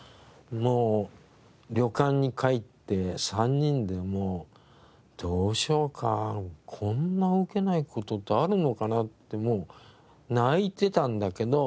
もう旅館に帰って３人でどうしようかこんなウケない事ってあるのかなって泣いてたんだけど。